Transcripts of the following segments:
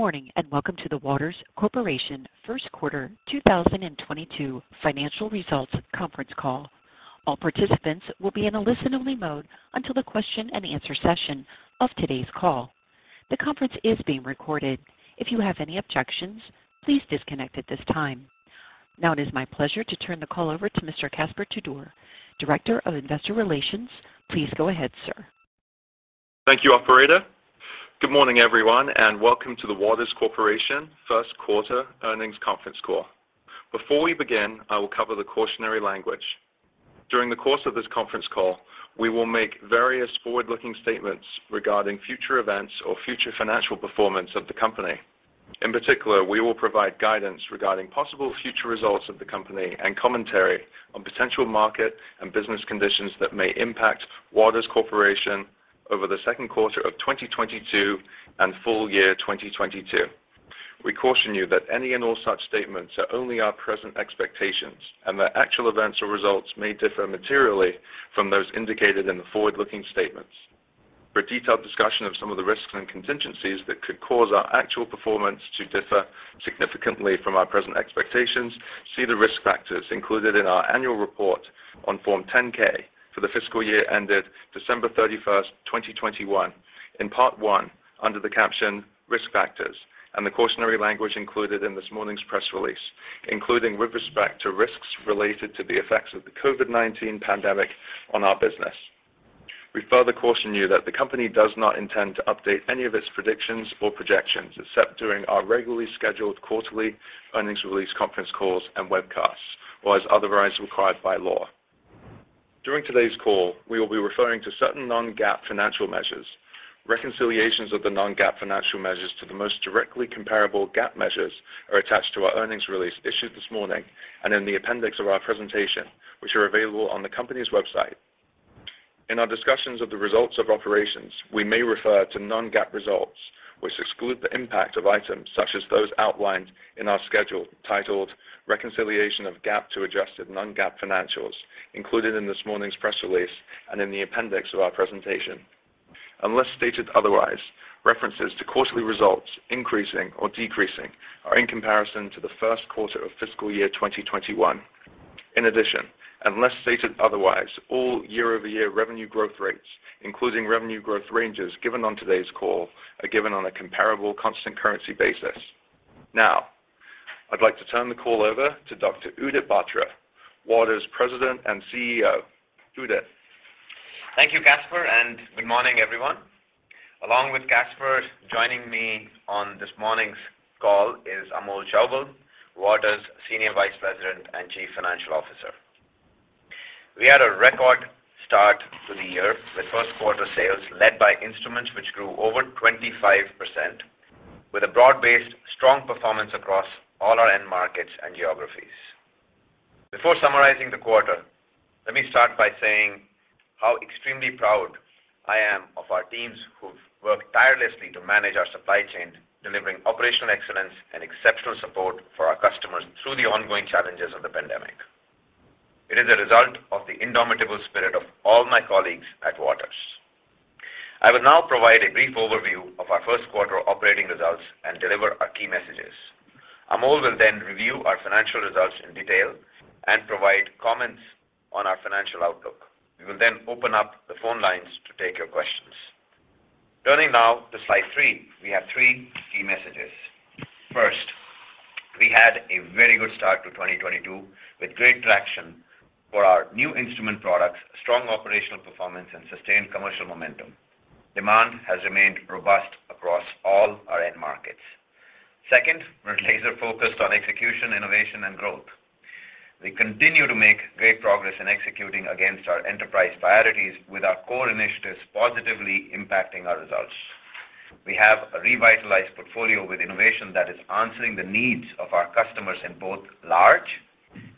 Good morning, and welcome to the Waters Corporation first quarter 2022 financial results conference call. All participants will be in a listen-only mode until the question and answer session of today's call. The conference is being recorded. If you have any objections, please disconnect at this time. Now it is my pleasure to turn the call over to Mr. Caspar Tudor, Director of Investor Relations. Please go ahead, sir. Thank you, operator. Good morning, everyone, and welcome to the Waters Corporation first quarter earnings conference call. Before we begin, I will cover the cautionary language. During the course of this conference call, we will make various forward-looking statements regarding future events or future financial performance of the company. In particular, we will provide guidance regarding possible future results of the company and commentary on potential market and business conditions that may impact Waters Corporation over the second quarter of 2022 and full year 2022. We caution you that any and all such statements are only our present expectations, and that actual events or results may differ materially from those indicated in the forward-looking statements. For a detailed discussion of some of the risks and contingencies that could cause our actual performance to differ significantly from our present expectations, see the risk factors included in our annual report on Form 10-K for the fiscal year ended December 31, 2021 in Part I under the caption Risk Factors and the cautionary language included in this morning's press release, including with respect to risks related to the effects of the COVID-19 pandemic on our business. We further caution you that the company does not intend to update any of its predictions or projections except during our regularly scheduled quarterly earnings release conference calls and webcasts, or as otherwise required by law. During today's call, we will be referring to certain non-GAAP financial measures. Reconciliations of the non-GAAP financial measures to the most directly comparable GAAP measures are attached to our earnings release issued this morning and in the appendix of our presentation, which are available on the company's website. In our discussions of the results of operations, we may refer to non-GAAP results, which exclude the impact of items such as those outlined in our schedule titled Reconciliation of GAAP to Adjusted Non-GAAP Financials included in this morning's press release and in the appendix of our presentation. Unless stated otherwise, references to quarterly results increasing or decreasing are in comparison to the first quarter of fiscal year 2021. In addition, unless stated otherwise, all year-over-year revenue growth rates, including revenue growth ranges given on today's call, are given on a comparable constant currency basis. Now, I'd like to turn the call over to Dr. Udit Batra, Waters President and CEO. Udit. Thank you, Caspar, and good morning, everyone. Along with Caspar, joining me on this morning's call is Amol Chaubal, Waters Senior Vice President and Chief Financial Officer. We had a record start to the year with first quarter sales led by instruments which grew over 25% with a broad-based strong performance across all our end markets and geographies. Before summarizing the quarter, let me start by saying how extremely proud I am of our teams who've worked tirelessly to manage our supply chain, delivering operational excellence and exceptional support for our customers through the ongoing challenges of the pandemic. It is a result of the indomitable spirit of all my colleagues at Waters. I will now provide a brief overview of our first quarter operating results and deliver our key messages. Amol will then review our financial results in detail and provide comments on our financial outlook. We will then open up the phone lines to take your questions. Turning now to slide three, we have three key messages. First, we had a very good start to 2022 with great traction for our new instrument products, strong operational performance, and sustained commercial momentum. Demand has remained robust across all our end markets. Second, we're laser-focused on execution, innovation, and growth. We continue to make great progress in executing against our enterprise priorities with our core initiatives positively impacting our results. We have a revitalized portfolio with innovation that is answering the needs of our customers in both large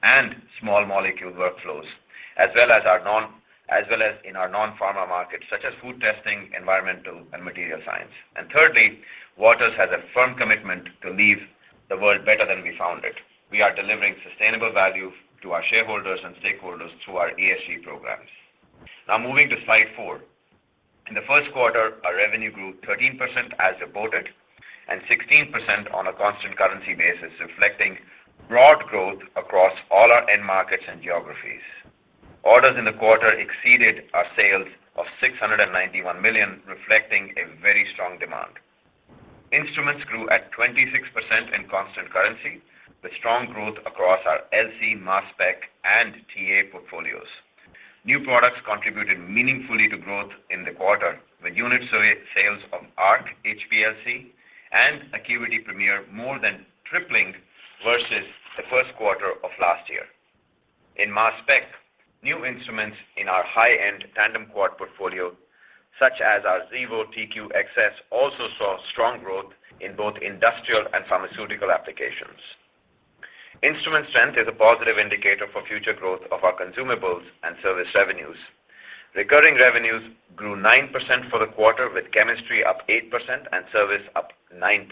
and small molecule workflows, as well as in our non-pharma markets such as food testing, environmental, and material science. Thirdly, Waters has a firm commitment to leave the world better than we found it. We are delivering sustainable value to our shareholders and stakeholders through our ESG programs. Now moving to slide four. In the first quarter, our revenue grew 13% as reported, and 16% on a constant currency basis, reflecting broad growth across all our end markets and geographies. Orders in the quarter exceeded our sales of $691 million, reflecting a very strong demand. Instruments grew at 26% in constant currency with strong growth across our LC, mass spec, and TA portfolios. New products contributed meaningfully to growth in the quarter, with unit sales of Arc HPLC and ACQUITY Premier more than tripling versus the first quarter of last year. In mass spec, new instruments in our high-end tandem quad portfolio, such as our Xevo TQ-XS, also saw strong growth in both industrial and pharmaceutical applications. Instrument strength is a positive indicator for future growth of our consumables and service revenues. Recurring revenues grew 9% for the quarter, with chemistry up 8% and service up 9%.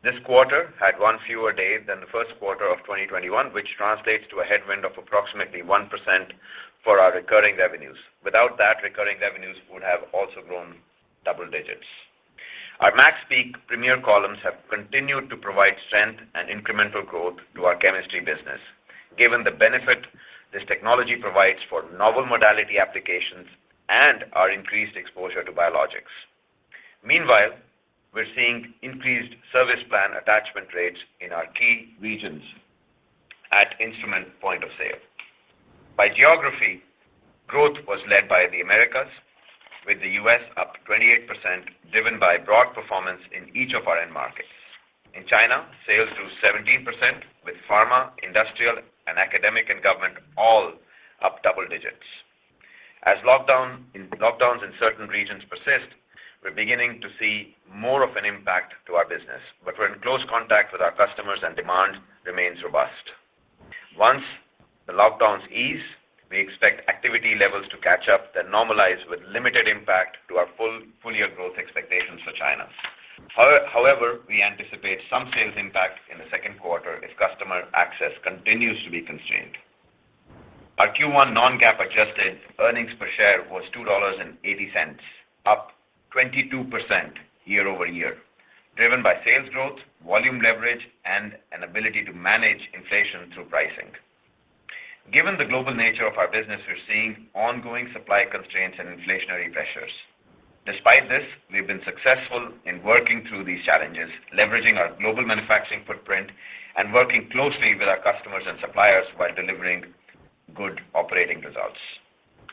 This quarter had one fewer day than the first quarter of 2021, which translates to a headwind of approximately 1% for our recurring revenues. Without that, recurring revenues would have also grown double digits. Our MaxPeak Premier columns have continued to provide strength and incremental growth to our chemistry business. Given the benefit this technology provides for novel modality applications and our increased exposure to biologics. Meanwhile, we're seeing increased service plan attachment rates in our key regions at instrument point of sale. By geography, growth was led by the Americas, with the U.S. up 28%, driven by broad performance in each of our end markets. In China, sales grew 17%, with pharma, industrial, and academic and government all up double digits. As lockdowns in certain regions persist, we're beginning to see more of an impact to our business, but we're in close contact with our customers, and demand remains robust. Once the lockdowns ease, we expect activity levels to catch up, then normalize with limited impact to our full year growth expectations for China. However, we anticipate some sales impact in the second quarter if customer access continues to be constrained. Our Q1 non-GAAP adjusted earnings per share was $2.80, up 22% year-over-year, driven by sales growth, volume leverage, and an ability to manage inflation through pricing. Given the global nature of our business, we're seeing ongoing supply constraints and inflationary pressures. Despite this, we've been successful in working through these challenges, leveraging our global manufacturing footprint and working closely with our customers and suppliers while delivering good operating results.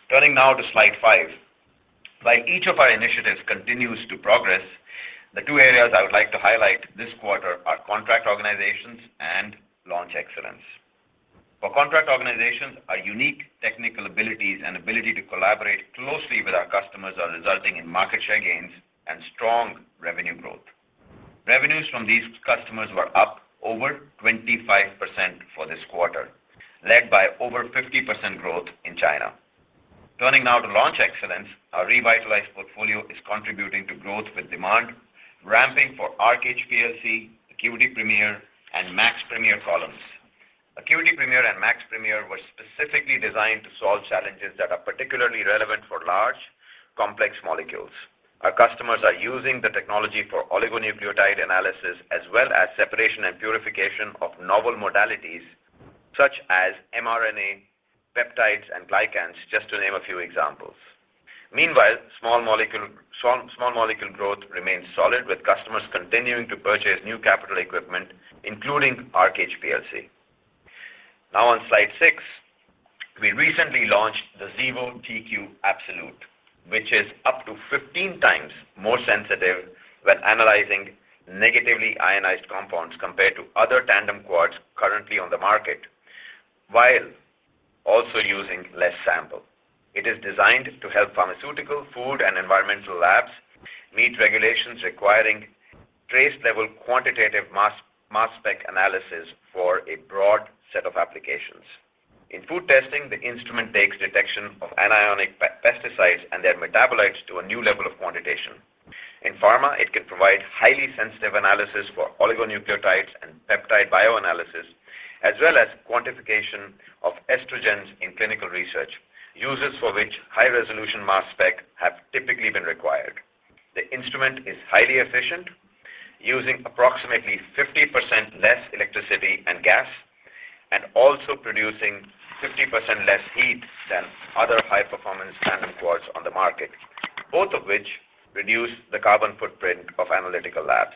Turning now to slide five. While each of our initiatives continues to progress, the two areas I would like to highlight this quarter are contract organizations and launch excellence. For contract organizations, our unique technical abilities and ability to collaborate closely with our customers are resulting in market share gains and strong revenue growth. Revenues from these customers were up over 25% for this quarter, led by over 50% growth in China. Turning now to launch excellence, our revitalized portfolio is contributing to growth with demand ramping for Arc HPLC, ACQUITY Premier, and MaxPeak Premier columns. ACQUITY Premier and MaxPeak Premier were specifically designed to solve challenges that are particularly relevant for large, complex molecules. Our customers are using the technology for oligonucleotide analysis as well as separation and purification of novel modalities such as mRNA, peptides, and glycans, just to name a few examples. Meanwhile, small molecule growth remains solid, with customers continuing to purchase new capital equipment, including Arc HPLC. Now on slide six. We recently launched the Xevo TQ Absolute, which is up to 15 times more sensitive when analyzing negatively ionized compounds compared to other tandem quads currently on the market, while also using less sample. It is designed to help pharmaceutical, food, and environmental labs meet regulations requiring trace-level quantitative mass spec analysis for a broad set of applications. In food testing, the instrument takes detection of anionic pesticides and their metabolites to a new level of quantitation. In pharma, it can provide highly sensitive analysis for oligonucleotides and peptide bioanalysis, as well as quantification of estrogens in clinical research, uses for which high-resolution mass spec have typically been required. The instrument is highly efficient, using approximately 50% less electricity and gas, and also producing 50% less heat than other high-performance tandem quads on the market, both of which reduce the carbon footprint of analytical labs.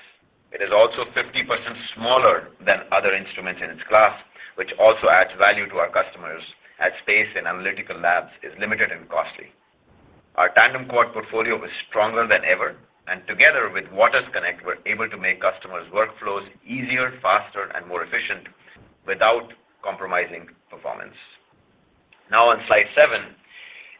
It is also 50% smaller than other instruments in its class, which also adds value to our customers, as space in analytical labs is limited and costly. Our tandem quad portfolio is stronger than ever, and together with waters_connect, we're able to make customers' workflows easier, faster, and more efficient without compromising performance. Now on slide seven,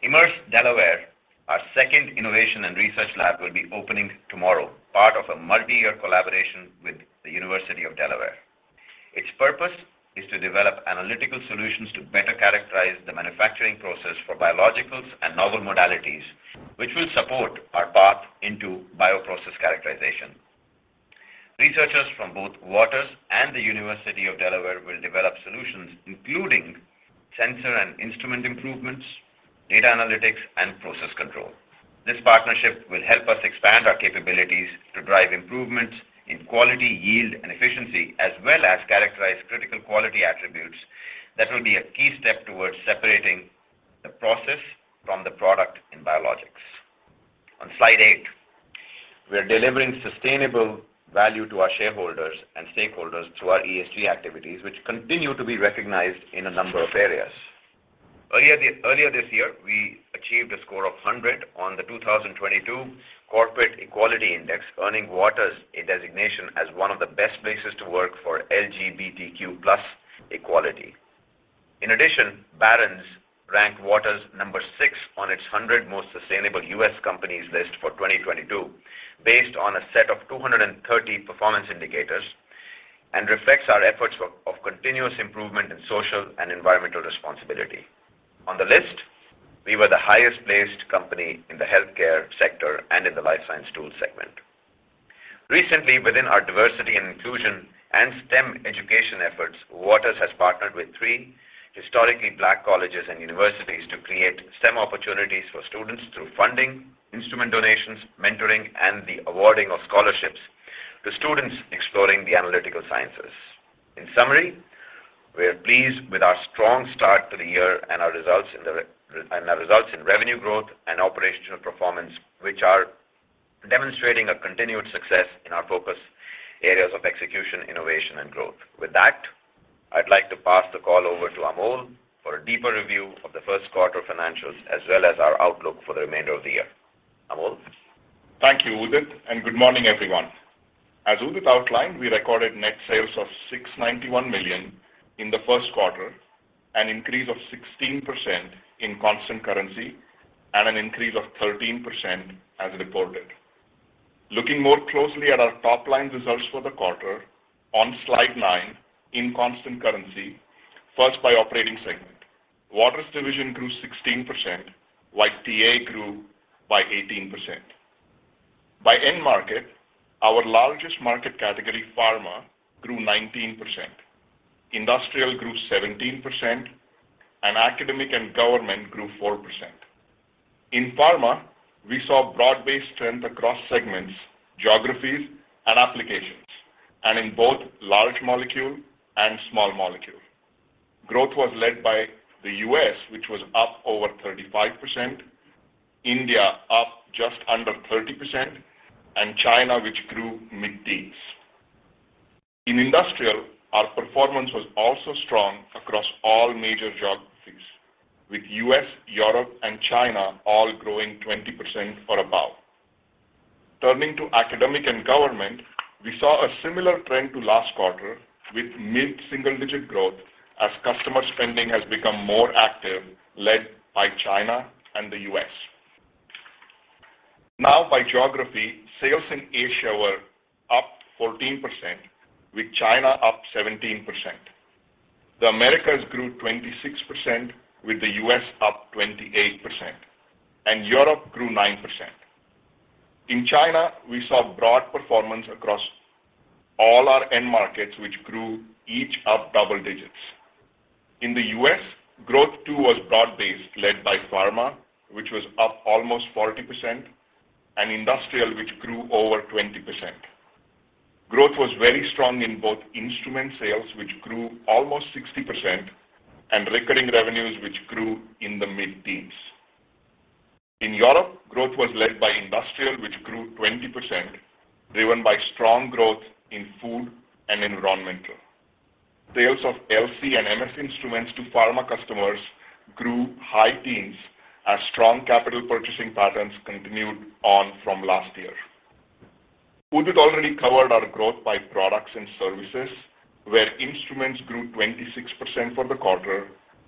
Immerse Delaware, our second innovation and research lab, will be opening tomorrow, part of a multi-year collaboration with the University of Delaware. Its purpose is to develop analytical solutions to better characterize the manufacturing process for biologicals and novel modalities, which will support our path into bioprocess characterization. Researchers from both Waters and the University of Delaware will develop solutions, including sensor and instrument improvements, data analytics, and process control. This partnership will help us expand our capabilities to drive improvements in quality, yield, and efficiency, as well as characterize critical quality attributes that will be a key step towards separating the process from the product in biologics. On slide eight. We are delivering sustainable value to our shareholders and stakeholders through our ESG activities, which continue to be recognized in a number of areas. Earlier this year, we achieved a score of 100 on the 2022 Corporate Equality Index, earning Waters a designation as one of the best places to work for LGBTQ+ equality. In addition, Barron's ranked Waters number six on its 100 Most Sustainable U.S. Companies list for 2022, based on a set of 230 performance indicators. Reflects our efforts of continuous improvement in social and environmental responsibility. On the list, we were the highest placed company in the healthcare sector and in the life science tools segment. Recently, within our diversity and inclusion and STEM education efforts, Waters has partnered with three historically Black colleges and universities to create STEM opportunities for students through funding, instrument donations, mentoring, and the awarding of scholarships to students exploring the analytical sciences. In summary, we are pleased with our strong start to the year and our results in revenue growth and operational performance, which are demonstrating a continued success in our focus areas of execution, innovation and growth. With that, I'd like to pass the call over to Amol for a deeper review of the first quarter financials as well as our outlook for the remainder of the year. Amol? Thank you, Udit, and good morning, everyone. As Udit outlined, we recorded net sales of $691 million in the first quarter, an increase of 16% in constant currency and an increase of 13% as reported. Looking more closely at our top line results for the quarter on slide nine in constant currency. First, by operating segment. Waters Division grew 16%, while TA grew by 18%. By end market, our largest market category, pharma, grew 19%. Industrial grew 17%, and academic and government grew 4%. In pharma, we saw broad-based trend across segments, geographies and applications, and in both large molecule and small molecule. Growth was led by the U.S., which was up over 35%, India up just under 30%, and China, which grew mid-teens. In industrial, our performance was also strong across all major geographies with U.S., Europe and China all growing 20% or above. Turning to academic and government, we saw a similar trend to last quarter with mid-single-digit growth as customer spending has become more active, led by China and the U.S. Now by geography. Sales in Asia were up 14%, with China up 17%. The Americas grew 26%, with the U.S. up 28%, and Europe grew 9%. In China, we saw broad performance across all our end markets, which grew each up double digits. In the U.S., growth too was broad-based, led by pharma, which was up almost 40%, and industrial, which grew over 20%. Growth was very strong in both instrument sales, which grew almost 60%, and recurring revenues, which grew in the mid-teens. In Europe, growth was led by industrial, which grew 20%, driven by strong growth in food and environmental. Sales of LC and MS instruments to pharma customers grew high teens as strong capital purchasing patterns continued on from last year. Udit already covered our growth by products and services, where instruments grew 26% for the quarter,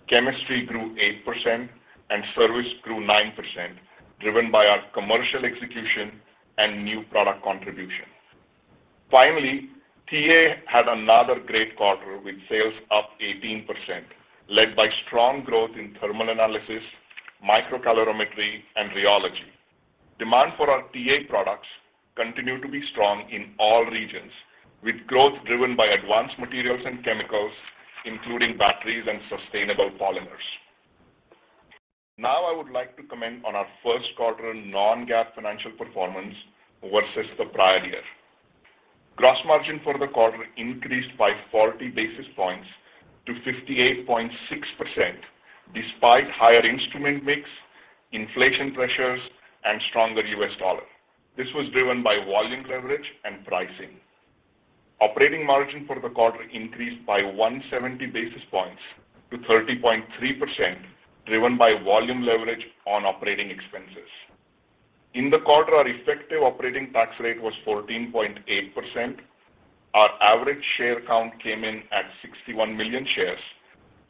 chemistry grew 8%, and service grew 9%, driven by our commercial execution and new product contribution. Finally, TA had another great quarter with sales up 18%, led by strong growth in thermal analysis, microcalorimetry, and rheology. Demand for our TA products continue to be strong in all regions, with growth driven by advanced materials and chemicals, including batteries and sustainable polymers. Now, I would like to comment on our first quarter non-GAAP financial performance versus the prior year. Gross margin for the quarter increased by 40 basis points to 58.6% despite higher instrument mix, inflation pressures, and stronger U.S. dollar. This was driven by volume leverage and pricing. Operating margin for the quarter increased by 170 basis points to 30.3%, driven by volume leverage on operating expenses. In the quarter, our effective operating tax rate was 14.8%. Our average share count came in at 61 million shares,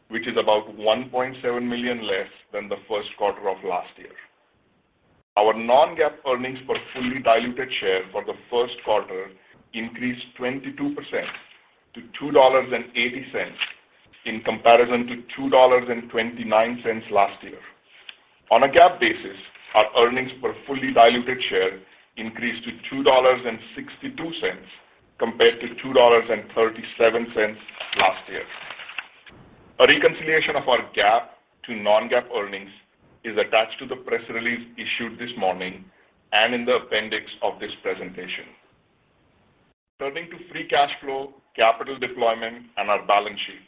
which is about 1.7 million less than the first quarter of last year. Our non-GAAP earnings per fully diluted share for the first quarter increased 22% to $2.80 in comparison to $2.29 last year. On a GAAP basis, our earnings per fully diluted share increased to $2.62 compared to $2.37 last year. A reconciliation of our GAAP to non-GAAP earnings is attached to the press release issued this morning and in the appendix of this presentation. Turning to free cash flow, capital deployment, and our balance sheet.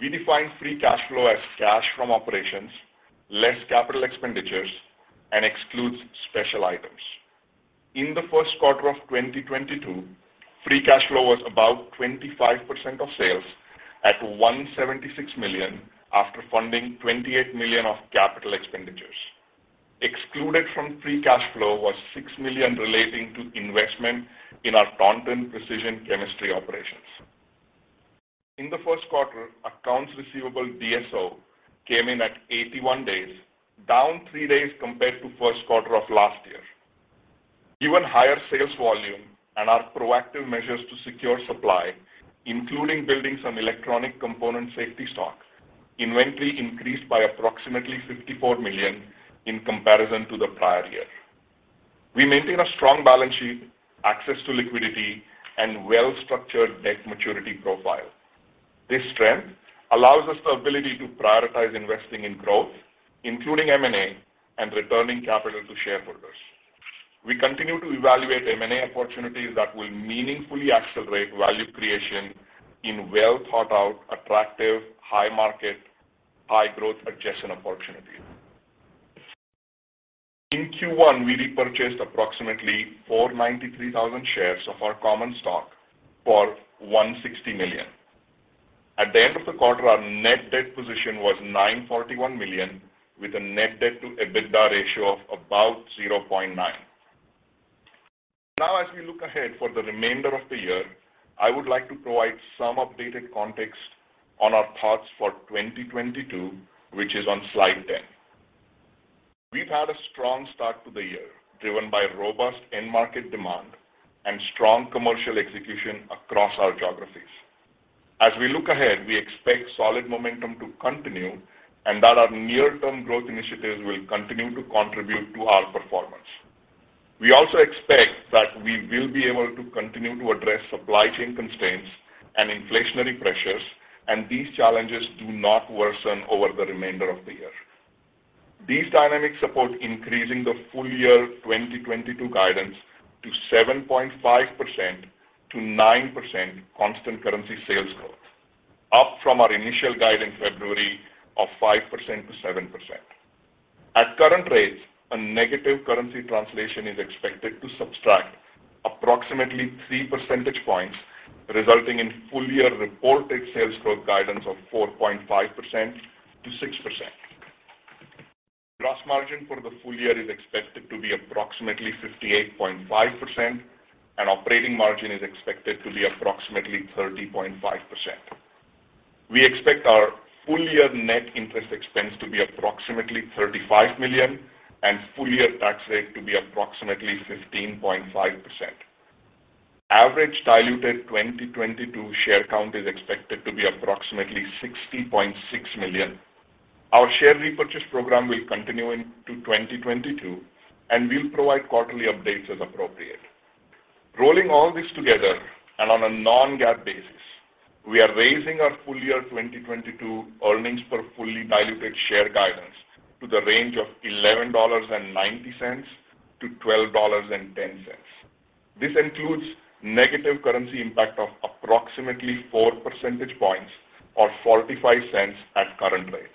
We define free cash flow as cash from operations, less capital expenditures, and excludes special items. In the first quarter of 2022, free cash flow was about 25% of sales at $176 million after funding $28 million of capital expenditures. Excluded from free cash flow was $6 million relating to investment in our Taunton precision chemistry operations. In the first quarter, accounts receivable DSO came in at 81 days, down three days compared to first quarter of last year. Even higher sales volume and our proactive measures to secure supply, including building some electronic component safety stock, inventory increased by approximately $54 million in comparison to the prior year. We maintain a strong balance sheet, access to liquidity, and well-structured debt maturity profile. This strength allows us the ability to prioritize investing in growth, including M&A, and returning capital to shareholders. We continue to evaluate M&A opportunities that will meaningfully accelerate value creation in well-thought-out, attractive, high market, high growth adjacent opportunities. In Q1, we repurchased approximately 493,000 shares of our common stock for $160 million. At the end of the quarter, our net debt position was $941 million, with a net debt to EBITDA ratio of about 0.9. Now as we look ahead for the remainder of the year, I would like to provide some updated context on our thoughts for 2022, which is on slide 10. We've had a strong start to the year, driven by robust end market demand and strong commercial execution across our geographies. As we look ahead, we expect solid momentum to continue and that our near-term growth initiatives will continue to contribute to our performance. We also expect that we will be able to continue to address supply chain constraints and inflationary pressures, and these challenges do not worsen over the remainder of the year. These dynamics support increasing the full year 2022 guidance to 7.5%-9% constant currency sales growth, up from our initial guidance in February of 5%-7%. At current rates, a negative currency translation is expected to subtract approximately 3 percentage points, resulting in full-year reported sales growth guidance of 4.5%-6%. Gross margin for the full year is expected to be approximately 58.5%, and operating margin is expected to be approximately 30.5%. We expect our full year net interest expense to be approximately $35 million and full year tax rate to be approximately 15.5%. Average diluted 2022 share count is expected to be approximately 60.6 million. Our share repurchase program will continue into 2022, and we'll provide quarterly updates as appropriate. Rolling all this together and on a non-GAAP basis, we are raising our full year 2022 earnings per fully diluted share guidance to the range of $11.90-$12.10. This includes negative currency impact of approximately 4 percentage points or $0.45 at current rates.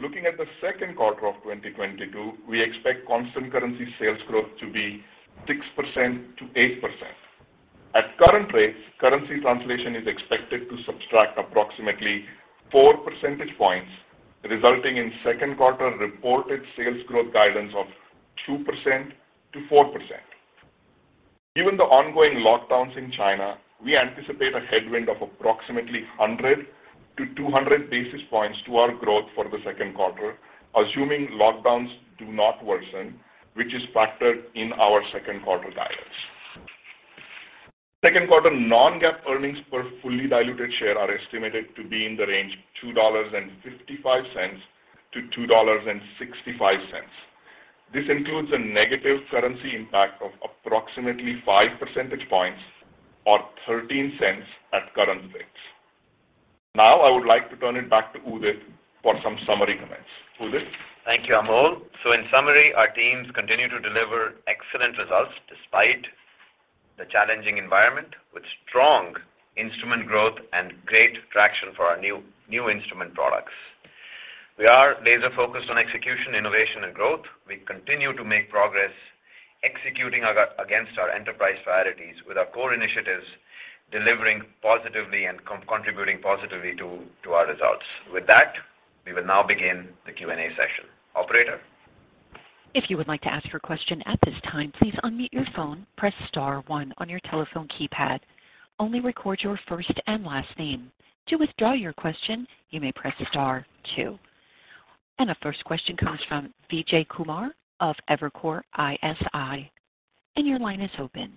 Looking at the second quarter of 2022, we expect constant currency sales growth to be 6%-8%. At current rates, currency translation is expected to subtract approximately 4 percentage points, resulting in second quarter reported sales growth guidance of 2% to 4%. Given the ongoing lockdowns in China, we anticipate a headwind of approximately 100 basis points-200 basis points to our growth for the second quarter, assuming lockdowns do not worsen, which is factored in our second quarter guidance. Second quarter non-GAAP earnings per fully diluted share are estimated to be in the range $2.55-$2.65. This includes a negative currency impact of approximately 5 percentage points or $0.13 at current rates. Now, I would like to turn it back to Udit for some summary comments. Udit? Thank you, Amol. In summary, our teams continue to deliver excellent results despite the challenging environment with strong instrument growth and great traction for our new instrument products. We are laser-focused on execution, innovation, and growth. We continue to make progress executing against our enterprise priorities with our core initiatives delivering positively and contributing positively to our results. With that, we will now begin the Q&A session. Operator? If you would like to ask your question at this time, please unmute your phone, press star one on your telephone keypad. Only record your first and last name. To withdraw your question, you may press star two. The first question comes from Vijay Kumar of Evercore ISI. Your line is open.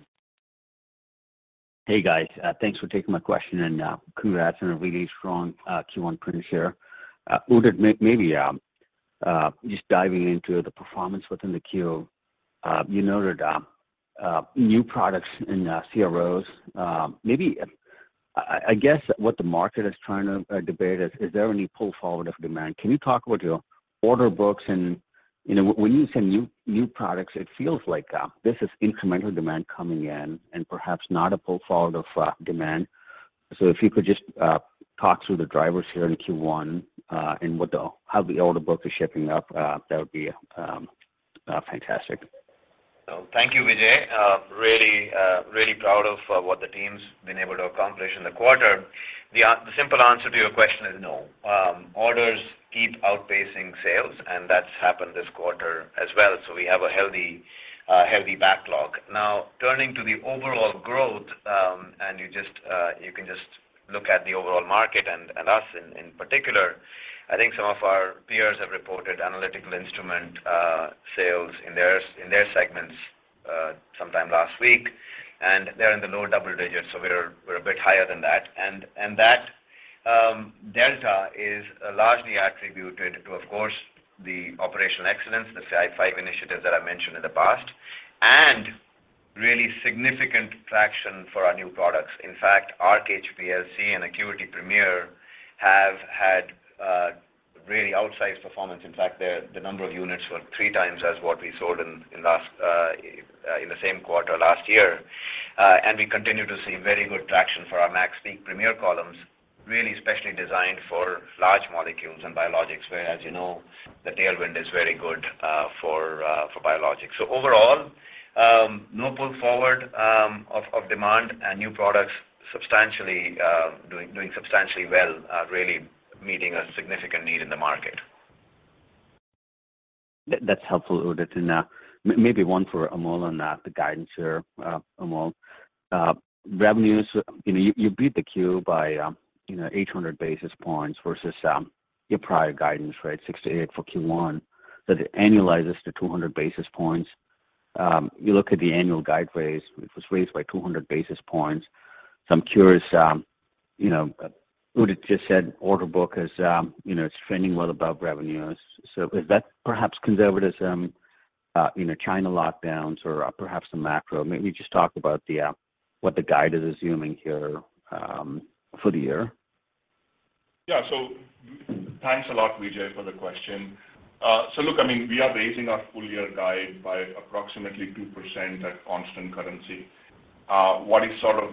Hey, guys. Thanks for taking my question and congrats on a really strong Q1 beat. Udit, maybe just diving into the performance within the Q, you noted new products in CROs. Maybe I guess what the market is trying to debate is there any pull forward of demand? Can you talk about your order books? And you know, when you sell new products, it feels like this is incremental demand coming in and perhaps not a pull forward of demand. If you could just talk through the drivers here in Q1 and how the order book is shaping up, that would be fantastic. Thank you, Vijay. Really proud of what the team's been able to accomplish in the quarter. The simple answer to your question is no. Orders keep outpacing sales, and that's happened this quarter as well, so we have a healthy backlog. Now, turning to the overall growth, and you can just look at the overall market and us in particular, I think some of our peers have reported analytical instrument sales in their segments sometime last week, and they're in the low double digits, so we're a bit higher than that. That delta is largely attributed to, of course, the operational excellence, the CI5 initiative that I mentioned in the past, and really significant traction for our new products. In fact, Arc HPLC and ACQUITY Premier have had really outsized performance. In fact, the number of units were three times as what we sold in the same quarter last year. We continue to see very good traction for our MaxPeak Premier columns, really specially designed for large molecules and biologics, where, as you know, the tailwind is very good for biologics. Overall, no pull forward of demand and new products substantially doing substantially well, really meeting a significant need in the market. That's helpful, Udit, and maybe one for Amol on the guidance here, Amol. Revenues, you know, you beat the guide by 800 basis points versus your prior guidance, right, 6%-8% for Q1. It annualizes to 200 basis points. You look at the annual guide raise, it was raised by 200 basis points. I'm curious, you know, Udit just said order book is, you know, it's trending well above revenues. Is that perhaps conservative, some you know China lockdowns or perhaps some macro? Maybe just talk about what the guide is assuming here for the year. Yeah. Thanks a lot, Vijay, for the question. Look, I mean, we are raising our full-year guide by approximately 2% at constant currency. What is sort of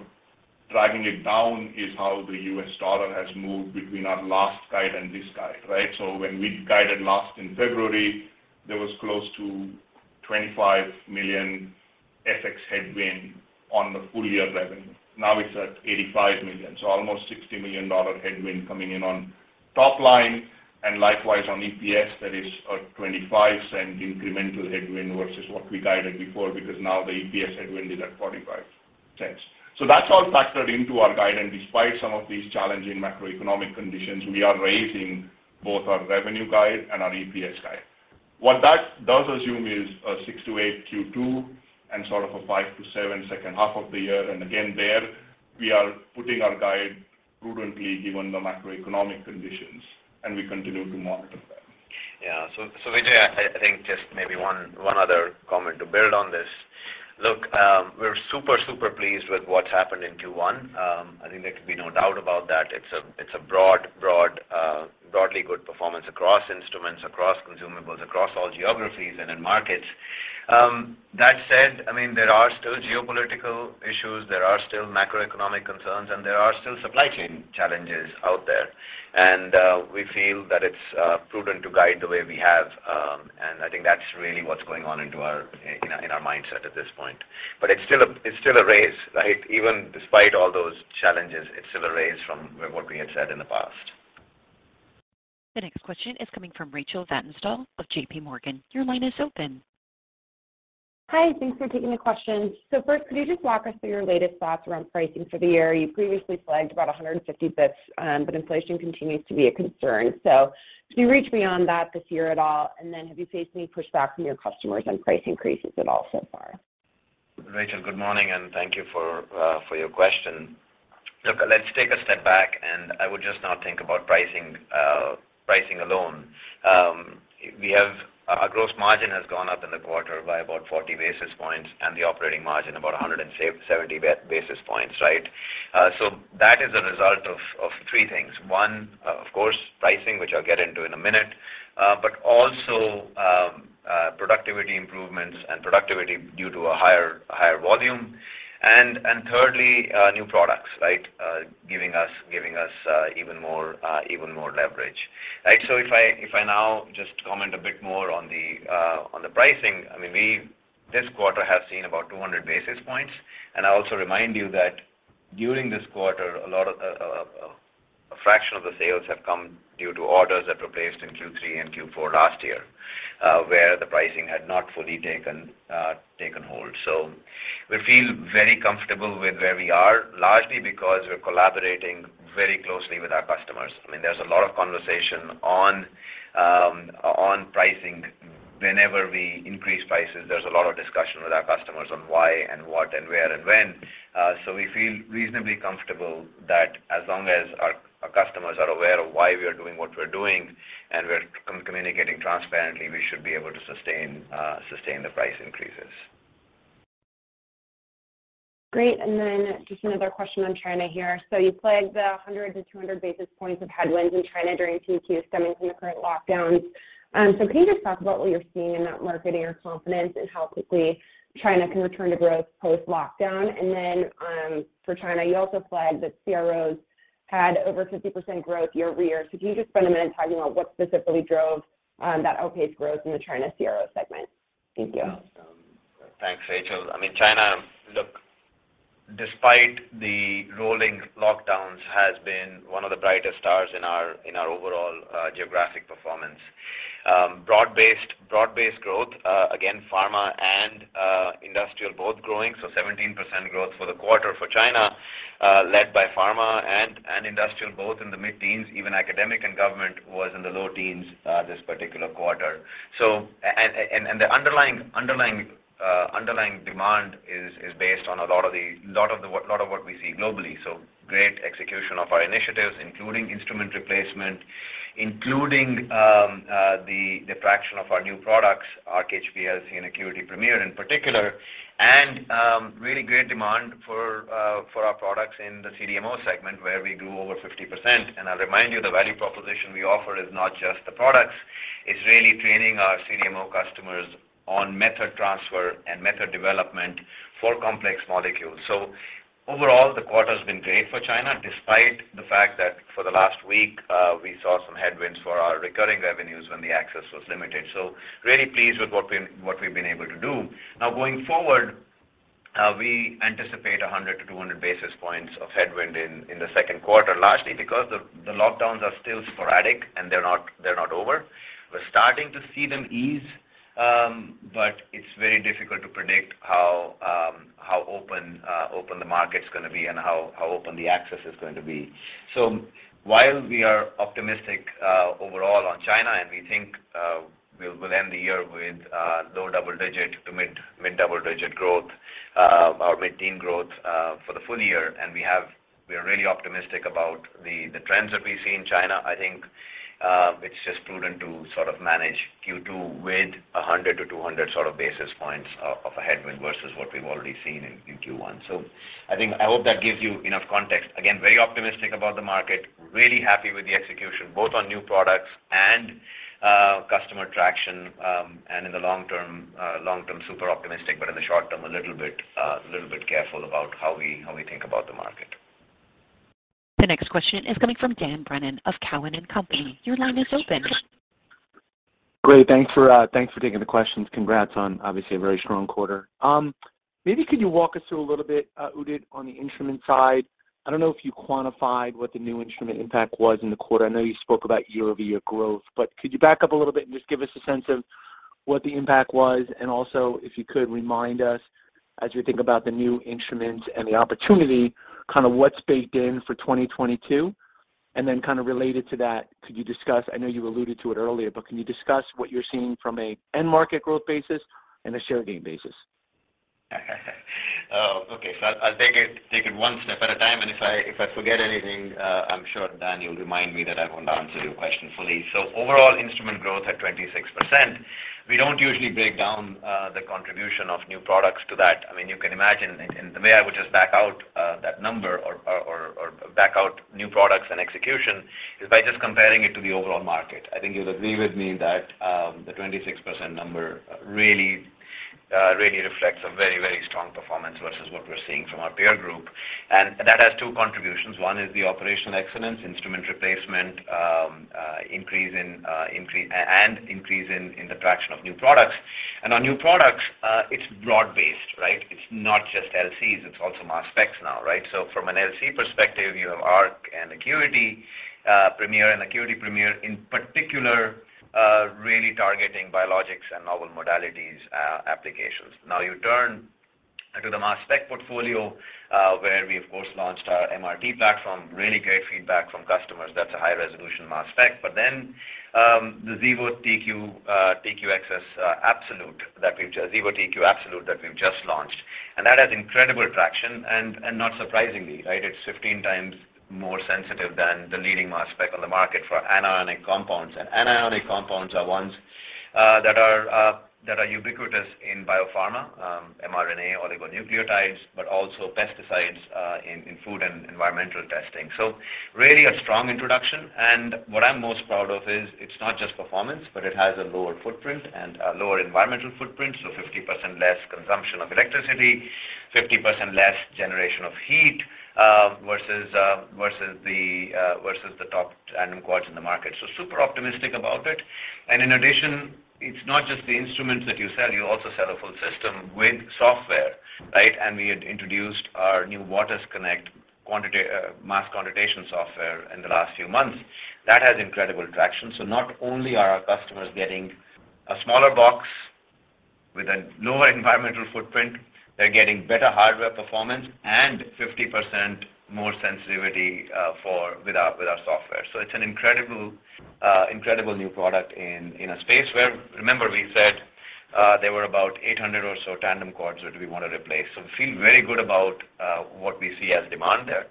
dragging it down is how the U.S. dollar has moved between our last guide and this guide, right? When we guided last in February, there was close to $25 million FX headwind on the full-year revenue. Now it's at $85 million, so almost $60 million headwind coming in on top line, and likewise on EPS, that is a $0.25 incremental headwind versus what we guided before because now the EPS headwind is at $0.45. That's all factored into our guide, and despite some of these challenging macroeconomic conditions, we are raising both our revenue guide and our EPS guide. What that does assume is a 6%-8% Q2 and sort of a 5%-7% second half of the year. Again, there we are putting our guide prudently given the macroeconomic conditions, and we continue to monitor that. Yeah. Vijay, I think just maybe one other comment to build on this. Look, we're super pleased with what's happened in Q1. I think there can be no doubt about that. It's a broadly good performance across instruments, across consumables, across all geographies and in markets. That said, I mean, there are still geopolitical issues, there are still macroeconomic concerns, and there are still supply chain challenges out there. We feel that it's prudent to guide the way we have, and I think that's really what's going on in our mindset at this point. But it's still a raise, right? Even despite all those challenges, it's still a raise from what we had said in the past. The next question is coming from Rachel Vatnsdal of JPMorgan. Your line is open. Hi. Thanks for taking the question. First, could you just walk us through your latest thoughts around pricing for the year? You previously flagged about 150 basis points, but inflation continues to be a concern. Did you reach beyond that this year at all, and then have you faced any pushback from your customers on price increases at all so far? Rachel, good morning, and thank you for your question. Look, let's take a step back, and I would just not think about pricing alone. Our gross margin has gone up in the quarter by about 40 basis points and the operating margin about 170 basis points, right? That is a result of three things. One, of course, pricing, which I'll get into in a minute, but also, productivity improvements and productivity due to a higher volume, and thirdly, new products, right? Giving us even more leverage, right? If I now just comment a bit more on the pricing, I mean, we this quarter have seen about 200 basis points. I also remind you that during this quarter, a lot of a fraction of the sales have come due to orders that were placed in Q3 and Q4 last year, where the pricing had not fully taken hold. We feel very comfortable with where we are, largely because we're collaborating very closely with our customers. I mean, there's a lot of conversation on pricing. Whenever we increase prices, there's a lot of discussion with our customers on why and what and where and when. We feel reasonably comfortable that as long as our customers are aware of why we are doing what we're doing and we're communicating transparently, we should be able to sustain the price increases. Great. Just another question on China here. You flagged the 100 basis points-200 basis points of headwinds in China during Q2 stemming from the current lockdowns. Can you just talk about what you're seeing in that market and your confidence in how quickly China can return to growth post-lockdown? For China, you also flagged that CROs had over 50% growth year-over-year. Can you just spend a minute talking about what specifically drove that outpaced growth in the China CRO segment? Thank you. Thanks, Rachel. I mean, China, look, despite the rolling lockdowns, has been one of the brightest stars in our overall geographic performance. Broad-based growth, again, pharma and industrial both growing. 17% growth for the quarter for China, led by pharma and industrial both in the mid-teens, even academic and government was in the low teens, this particular quarter. The underlying demand is based on a lot of what we see globally. Great execution of our initiatives, including instrument replacement, including the traction of our new products, Arc HPLCs and ACQUITY Premier in particular. Really great demand for our products in the CDMO segment where we grew over 50%. I'll remind you, the value proposition we offer is not just the products, it's really training our CDMO customers on method transfer and method development for complex molecules. Overall, the quarter's been great for China, despite the fact that for the last week, we saw some headwinds for our recurring revenues when the access was limited. Really pleased with what we've been able to do. Now going forward, we anticipate 100 basis points-200 basis points of headwind in the second quarter, largely because the lockdowns are still sporadic and they're not over. We're starting to see them ease, but it's very difficult to predict how open the market's gonna be and how open the access is going to be. While we are optimistic overall on China, and we think we'll end the year with low double-digit to mid double-digit growth or mid-teen growth for the full year, and we are really optimistic about the trends that we see in China. I think it's just prudent to sort of manage Q2 with 100 to 200 sort of basis points of a headwind versus what we've already seen in Q1. I hope that gives you enough context. Again, very optimistic about the market, really happy with the execution, both on new products and customer traction, and in the long term, super optimistic, but in the short term, a little bit careful about how we think about the market. The next question is coming from Dan Brennan of Cowen & Company. Your line is open. Great. Thanks for taking the questions. Congrats on obviously a very strong quarter. Maybe could you walk us through a little bit, Udit, on the instrument side. I don't know if you quantified what the new instrument impact was in the quarter. I know you spoke about year-over-year growth, but could you back up a little bit and just give us a sense of what the impact was? Also if you could remind us as you think about the new instruments and the opportunity, kind of what's baked in for 2022. Then kind of related to that, could you discuss, I know you alluded to it earlier, but can you discuss what you're seeing from an end market growth basis and a share gain basis? Oh, okay. I'll take it one step at a time. If I forget anything, I'm sure, Dan, you'll remind me that I won't answer your question fully. Overall instrument growth at 26%, we don't usually break down the contribution of new products to that. I mean, you can imagine. The way I would just back out that number or back out new products and execution is by just comparing it to the overall market. I think you'll agree with me that the 26% number really reflects a very strong performance versus what we're seeing from our peer group. That has two contributions. One is the operational excellence, instrument replacement, increase in the traction of new products. On new products, it's broad-based, right? It's not just LCs, it's also mass specs now, right? From an LC perspective, you have Arc and ACQUITY Premier in particular, really targeting biologics and novel modalities, applications. You turn to the mass spec portfolio, where we of course launched our MRT platform, really great feedback from customers. That's a high resolution mass spec. Then, the Xevo TQ Absolute that we've just launched. That has incredible traction and not surprisingly, right? It's 15 times more sensitive than the leading mass spec on the market for anionic compounds. Anionic compounds are ones that are ubiquitous in biopharma, mRNA oligonucleotides, but also pesticides in food and environmental testing. Really a strong introduction and what I'm most proud of is it's not just performance, but it has a lower footprint and a lower environmental footprint. 50% less consumption of electricity, 50% less generation of heat versus the top tandem quads in the market. Super optimistic about it. In addition, it's not just the instruments that you sell, you also sell a full system with software, right? We had introduced our new waters_connect Quantify mass quantitation software in the last few months. That has incredible traction. Not only are our customers getting a smaller box with a lower environmental footprint, they're getting better hardware performance and 50% more sensitivity with our software. It's an incredible new product in a space where, remember, we said there were about 800 or so tandem quads that we want to replace. We feel very good about what we see as demand there.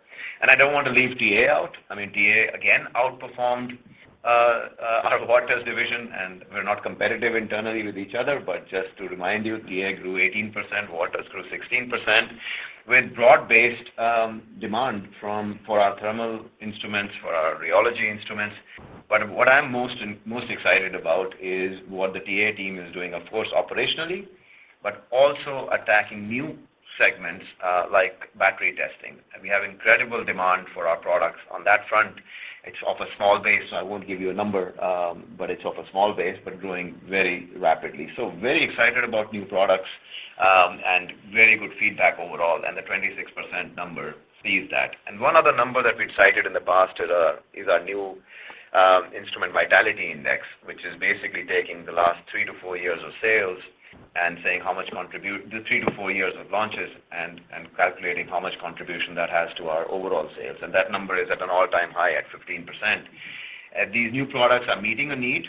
I don't want to leave TA out. I mean, TA again outperformed our Waters division, and we're not competitive internally with each other. Just to remind you, TA grew 18%, Waters grew 16% with broad-based demand for our thermal instruments, for our rheology instruments. What I'm most excited about is what the TA team is doing, of course, operationally, but also attacking new segments like battery testing. We have incredible demand for our products on that front. It's off a small base, so I won't give you a number, but growing very rapidly. Very excited about new products and very good feedback overall. The 26% number sees that. One other number that we'd cited in the past is our new Instrument Vitality Index, which is basically taking the last three to four years of sales and the three to four years of launches and calculating how much contribution that has to our overall sales. That number is at an all-time high at 15%. These new products are meeting a need,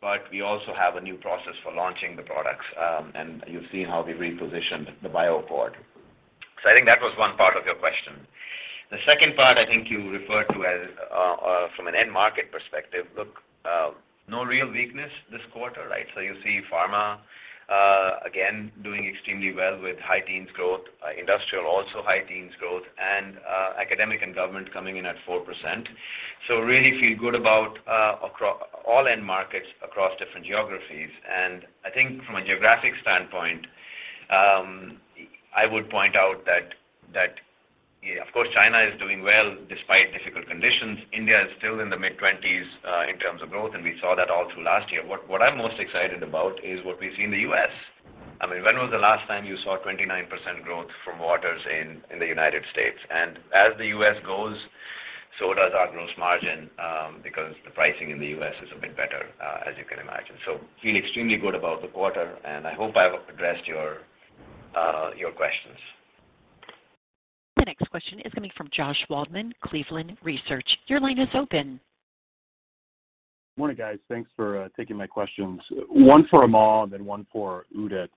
but we also have a new process for launching the products. You've seen how we repositioned the BioPort. I think that was one part of your question. The second part, I think you referred to as, from an end market perspective. Look, no real weakness this quarter, right? You see pharma, again, doing extremely well with high teens growth, industrial also high teens growth, and academic and government coming in at 4%. Really feel good about all end markets across different geographies. I think from a geographic standpoint, I would point out that, of course, China is doing well despite difficult conditions. India is still in the mid-20s in terms of growth, and we saw that all through last year. What I'm most excited about is what we see in the U.S.. I mean, when was the last time you saw 29% growth from Waters in the United States? As the U.S. goes, so does our gross margin, because the pricing in the U.S. is a bit better, as you can imagine. We feel extremely good about the quarter, and I hope I've addressed your questions. The next question is coming from Josh Waldman, Cleveland Research. Your line is open. Morning, guys. Thanks for taking my questions. One for Amol, and then one for Udit.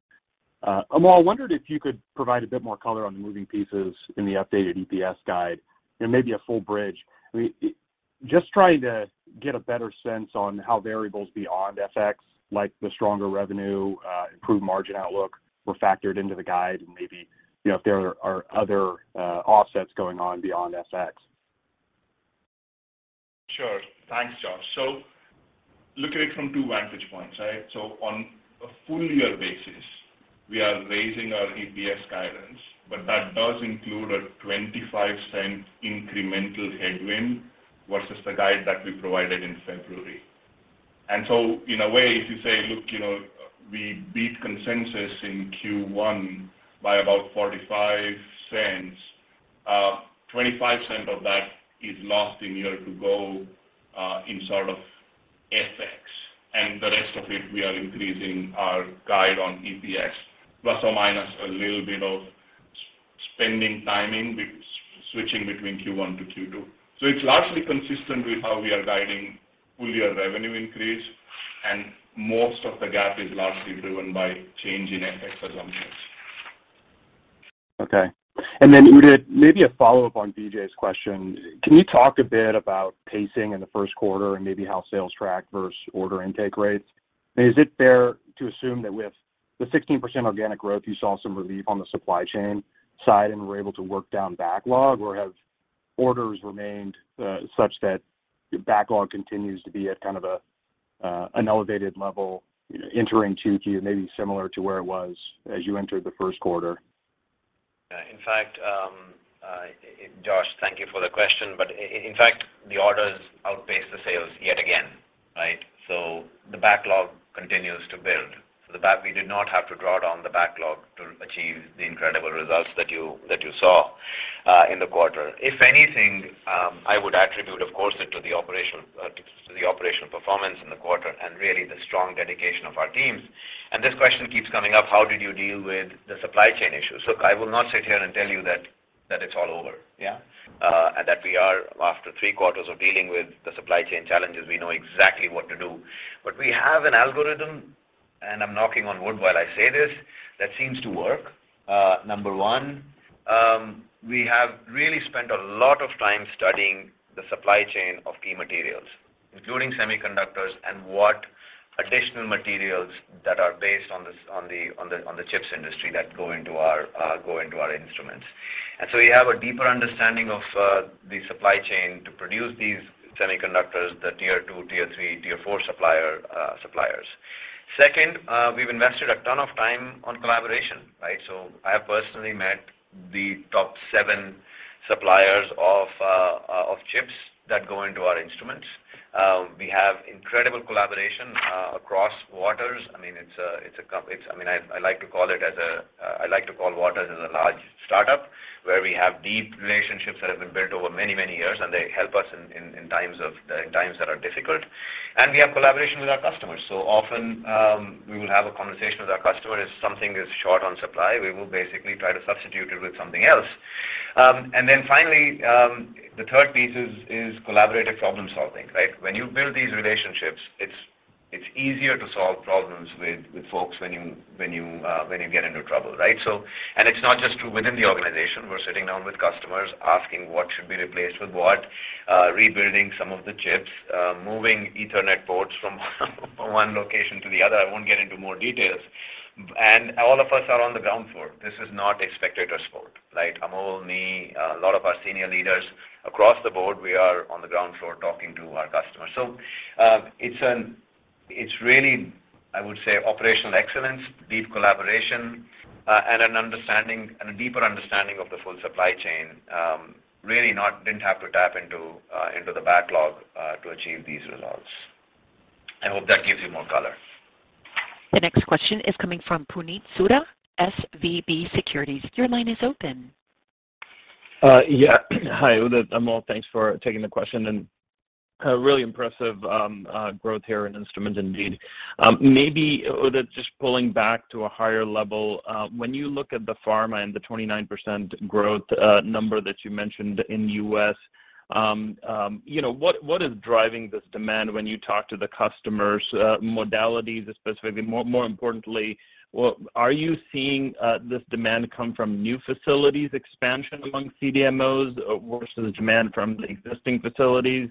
Amol, I wondered if you could provide a bit more color on the moving pieces in the updated EPS guide and maybe a full bridge. I mean, just trying to get a better sense on how variables beyond FX, like the stronger revenue, improved margin outlook were factored into the guide and maybe, you know, if there are other offsets going on beyond FX. Sure. Thanks, Josh. Look at it from two vantage points, right? On a full year basis, we are raising our EPS guidance, but that does include a $0.25 incremental headwind versus the guide that we provided in February. In a way, if you say, look, you know, we beat consensus in Q1 by about $0.45, $0.25 of that is lost in year to go in sort of FX. The rest of it, we are increasing our guide on EPS plus or minus a little bit of spending timing with switching between Q1 to Q2. It's largely consistent with how we are guiding full year revenue increase, and most of the gap is largely driven by change in FX assumptions. Okay. Udit, maybe a follow-up on Vijay's question. Can you talk a bit about pacing in the first quarter and maybe how sales track versus order intake rates? I mean, is it fair to assume that with the 16% organic growth, you saw some relief on the supply chain side and were able to work down backlog? Or have orders remained such that your backlog continues to be at kind of a an elevated level entering 2Q maybe similar to where it was as you entered the first quarter? Yeah. In fact, Josh, thank you for the question, but in fact, the orders outpaced the sales yet again, right? The backlog continues to build. We did not have to draw down the backlog to achieve the incredible results that you saw in the quarter. If anything, I would attribute, of course, it to the operational performance in the quarter and really the strong dedication of our teams. This question keeps coming up, how did you deal with the supply chain issue? Look, I will not sit here and tell you that it's all over, yeah? That we are, after three quarters of dealing with the supply chain challenges, we know exactly what to do. We have an algorithm, and I'm knocking on wood while I say this, that seems to work. Number one, we have really spent a lot of time studying the supply chain of key materials, including semiconductors and what additional materials that are based on the chips industry that go into our instruments. We have a deeper understanding of the supply chain to produce these semiconductors, the tier 2, tier 3, tier 4 suppliers. Second, we've invested a ton of time on collaboration, right? I have personally met the top seven suppliers of chips that go into our instruments. We have incredible collaboration across Waters. I mean, I like to call Waters as a large startup where we have deep relationships that have been built over many, many years, and they help us in times that are difficult. We have collaboration with our customers. Often, we will have a conversation with our customer. If something is short on supply, we will basically try to substitute it with something else. And then finally, the third piece is collaborative problem-solving, right? When you build these relationships, it's easier to solve problems with folks when you get into trouble, right? It's not just true within the organization. We're sitting down with customers, asking what should be replaced with what, rebuilding some of the chips, moving Ethernet ports from one location to the other. I won't get into more details. All of us are on the ground floor. This is not a spectator sport, right? Amol, me, a lot of our senior leaders across the board, we are on the ground floor talking to our customers. It's really, I would say, operational excellence, deep collaboration, and a deeper understanding of the full supply chain, really didn't have to tap into the backlog to achieve these results. I hope that gives you more color. The next question is coming from Puneet Souda, SVB Securities. Your line is open. Yeah. Hi, Udit. Amol, thanks for taking the question, and really impressive growth here in instrument indeed. Maybe, Udit, just pulling back to a higher level, when you look at the pharma and the 29% growth number that you mentioned in U.S., you know, what is driving this demand when you talk to the customers, modalities specifically? More importantly, what are you seeing this demand come from new facilities expansion among CDMOs, or is the demand from the existing facilities?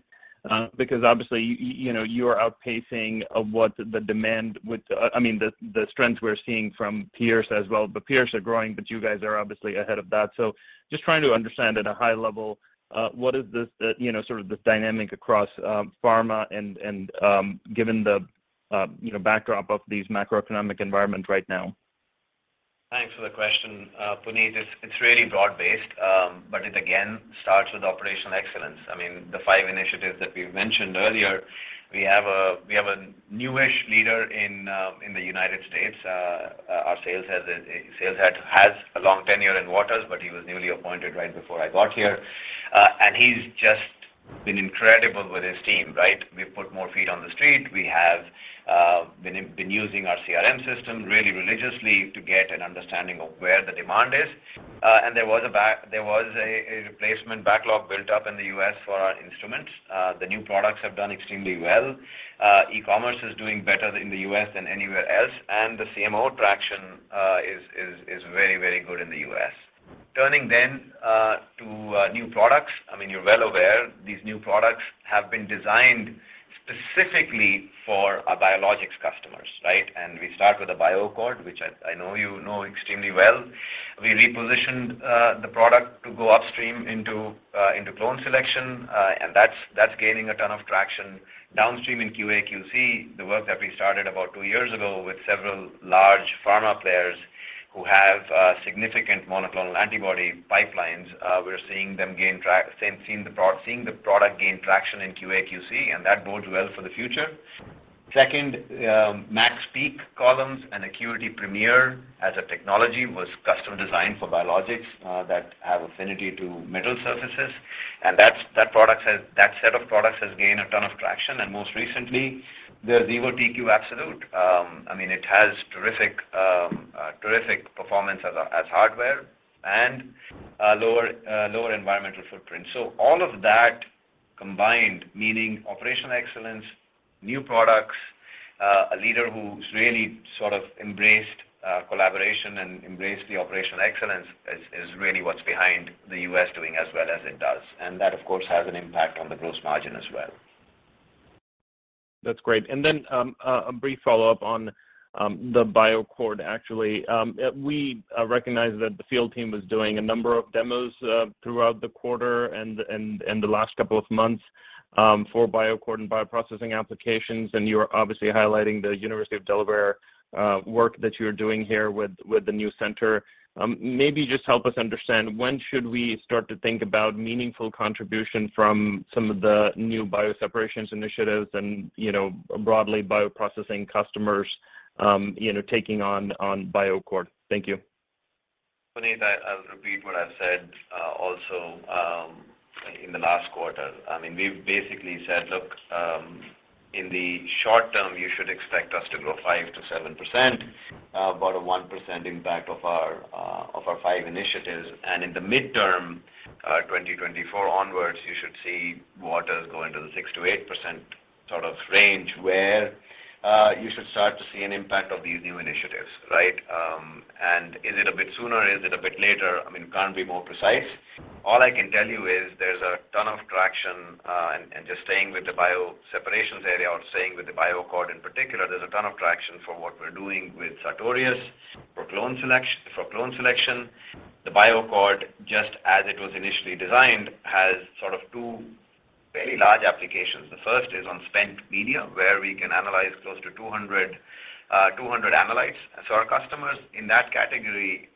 Because obviously, you know, you are outpacing of what the demand with, I mean, the strengths we're seeing from peers as well. The peers are growing, but you guys are obviously ahead of that. Just trying to understand at a high level, what is this sort of dynamic across pharma and the backdrop of these macroeconomic environment right now. Thanks for the question, Puneet. It's really broad-based, but it again starts with operational excellence. I mean, the five initiatives that we've mentioned earlier, we have a newish leader in the United States. Our sales has a sales head, has a long tenure in Waters, but he was newly appointed right before I got here. He's just been incredible with his team, right? We've put more feet on the street. We have been using our CRM system really religiously to get an understanding of where the demand is. There was a replacement backlog built up in the U.S. for our instruments. The new products have done extremely well. E-commerce is doing better in the U.S. than anywhere else, and the CMO traction is very good in the U.S.. Turning to new products. I mean, you're well aware these new products have been designed specifically for our biologics customers, right? We start with a BioAccord, which I know you know extremely well. We repositioned the product to go upstream into clone selection, and that's gaining a ton of traction downstream in QA/QC, the work that we started about two years ago with several large pharma players who have significant monoclonal antibody pipelines. We're seeing the product gain traction in QA/QC, and that bodes well for the future. Second, MaxPeak columns and ACQUITY Premier as a technology was custom-designed for biologics that have affinity to metal surfaces. That set of products has gained a ton of traction. Most recently, the Xevo TQ Absolute. I mean, it has terrific performance as hardware and a lower environmental footprint. All of that combined, meaning operational excellence, new products, a leader who's really sort of embraced collaboration and embraced the operational excellence is really what's behind the U.S. doing as well as it does. That, of course, has an impact on the gross margin as well. That's great. A brief follow-up on the BioAccord, actually. We recognized that the field team was doing a number of demos throughout the quarter and the last couple of months for BioAccord and bioprocessing applications, and you're obviously highlighting the University of Delaware work that you're doing here with the new center. Maybe just help us understand, when should we start to think about meaningful contribution from some of the new bioseparations initiatives and, you know, broadly bioprocessing customers, you know, taking on BioAccord? Thank you. Puneet, I'll repeat what I've said also in the last quarter. I mean, we've basically said, look in the short term, you should expect us to grow 5%-7%, about a 1% impact of our five initiatives. In the midterm, 2024 onwards, you should see Waters go into the 6%-8% sort of range where you should start to see an impact of these new initiatives, right? Is it a bit sooner or is it a bit later? I mean, can't be more precise. All I can tell you is there's a ton of traction, and just staying with the bioseparations area or staying with the BioAccord in particular, there's a ton of traction for what we're doing with Sartorius for clone selection. The BioAccord, just as it was initially designed, has sort of two very large applications. The first is on spent media, where we can analyze close to 200 analytes. Our customers in that category